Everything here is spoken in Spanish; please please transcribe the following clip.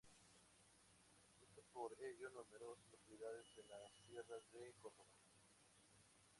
Visitó para ello numerosas localidades en las sierras de Córdoba.